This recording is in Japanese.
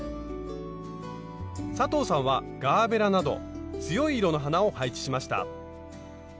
佐藤さんはガーベラなど強い色の花を配置しました。